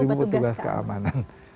dua puluh ribu petugas keamanan